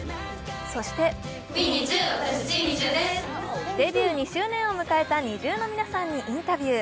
そしてデビュー２周年を迎えたＮｉｚｉＵの皆さんにインタビュー。